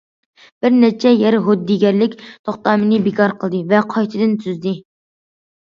بىر نەچچە يەر ھۆددىگەرلىك توختامىنى بىكار قىلدى ۋە قايتىدىن تۈزدى.